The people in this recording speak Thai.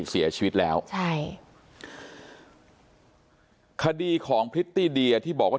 เสียชีวิตแล้วใช่คดีของพริตตี้เดียที่บอกว่า